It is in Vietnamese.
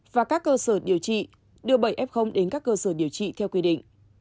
và các cơ sở điều trị đưa bảy f đến các cơ sở điều trị theo quy định